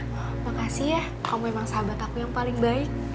makasih ya kamu memang sahabat aku yang paling baik